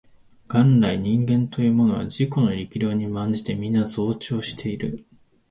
元来人間というものは自己の力量に慢じてみんな増長している